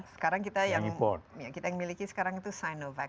sekarang kita yang miliki sekarang itu sinovac